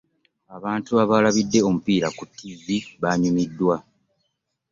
Abantu abaaalabidde omupiira ku TV baanyumiddwa.